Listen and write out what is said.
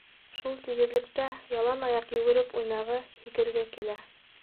Шул тигеҙлектә ялан аяҡ йүгереп уйнағы, һикерге килә.